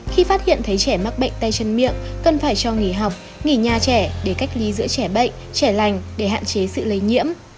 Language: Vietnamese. khi phát hiện thấy trẻ mắc bệnh tay chân miệng cần phải cho nghỉ học nghỉ nhà trẻ để cách ly giữa trẻ bệnh trẻ lành để hạn chế sự lây nhiễm